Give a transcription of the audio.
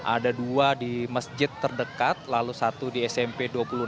ada dua di masjid terdekat lalu satu di smp dua puluh enam